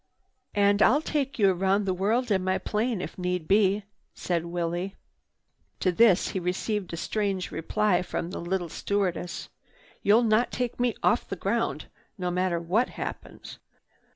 "And I'll take you round the world in my plane if need be," said Willie. To this he received a strange reply from the little stewardess: "You'll not take me off the ground, no matter what happens."